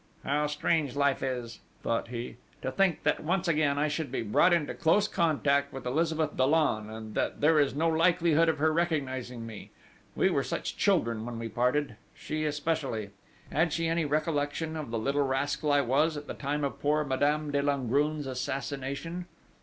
"How strange life is!" thought he. "To think that once again I should be brought into close contact with Elizabeth Dollon, and that there is no likelihood of her recognising me we were such children when we parted she especially! Had she any recollection of the little rascal I was at the time of poor Madame de Langrune's assassination?"